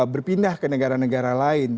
berpindah ke negara negara lain